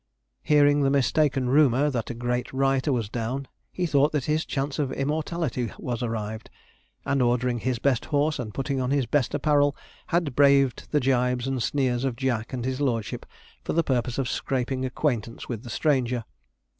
Hearing the mistaken rumour that a great writer was down, he thought that his chance of immortality was arrived; and, ordering his best horse, and putting on his best apparel, had braved the jibes and sneers of Jack and his lordship for the purpose of scraping acquaintance with the stranger.